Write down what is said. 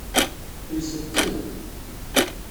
Kelset-tent.